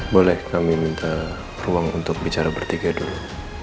boleh kami minta ruang untuk bicara bertiga dulu